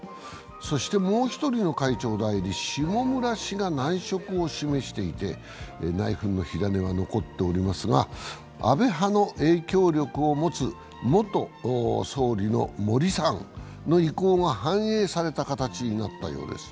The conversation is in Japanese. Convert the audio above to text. そして、もう１人の会長代理・下村氏が難色を示していて、内紛の火種は残っておりますが安倍派に影響力を持つ元総理の森さんの意向が反映された形となったようです。